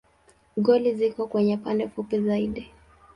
Goli ziko kwenye pande fupi zaidi.